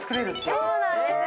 そうなんです。